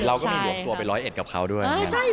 เราก็มีหลวงตัวไปร้อยเอ็ดกับเขาด้วย